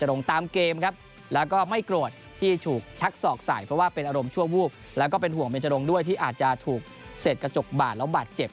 ลงตามเกมครับแล้วก็ไม่โกรธที่ถูกชักศอกใส่เพราะว่าเป็นอารมณ์ชั่ววูบแล้วก็เป็นห่วงเบนจรงด้วยที่อาจจะถูกเสร็จกระจกบาดแล้วบาดเจ็บ